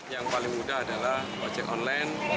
yang paling mudah adalah ojek online